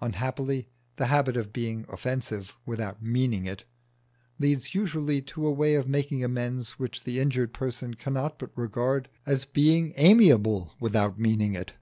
Unhappily the habit of being offensive "without meaning it" leads usually to a way of making amends which the injured person cannot but regard as a being amiable without meaning it.